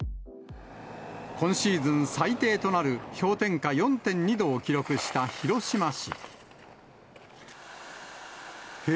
今シーズン最低となる、氷点下４．２度を記録した広島市。